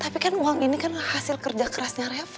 tapi kan uang ini kan hasil kerja kerasnya revo